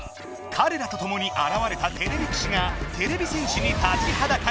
かれらとともにあらわれたてれび騎士がてれび戦士に立ちはだかる。